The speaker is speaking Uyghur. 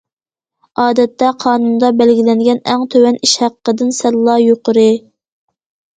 ئادەتتە قانۇندا بەلگىلەنگەن ئەڭ تۆۋەن ئىش ھەققىدىن سەللا يۇقىرى.